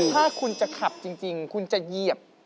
ถ้าคุณจะขับจริงคุณจะเหยียบ